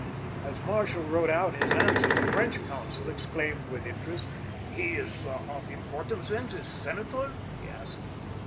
As Marshall wrote out his answer, the French consul exclaimed with interest: "He is of importance, then, this senator?" he asked.